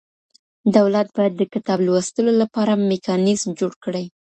دولت بايد د کتاب لوستلو لپاره مېکانيزم جوړ کړي.